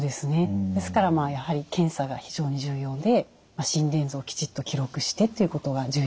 ですからやはり検査が非常に重要で心電図をきちっと記録してということが重要になります。